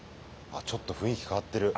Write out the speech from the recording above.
あっちょっと雰囲気変わってる。